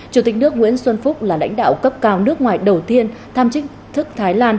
chủ tịch nước nguyễn xuân phúc là lãnh đạo cấp cao nước ngoài đầu tiên thăm chính thức thái lan